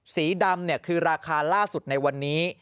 สีดำคือราคาล่าสุดในวันนี้